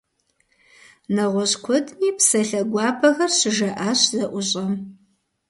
Нэгъуэщӏ куэдми псалъэ гуапэхэр щыжаӏащ зэӏущӏэм.